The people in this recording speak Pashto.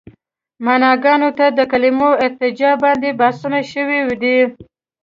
معناګانو ته د کلمو ارجاع باندې بحثونه شوي دي.